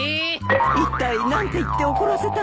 いったい何て言って怒らせたんですか。